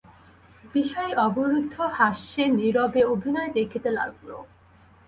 বিহারী অবরুদ্ধহাস্যে নীরবে অভিনয় দেখিতে লাগিল।